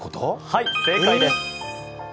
はい、正解です。